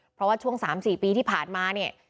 เพราะว่าช่วง๓๔ปีที่ผ่านมาเนี่ย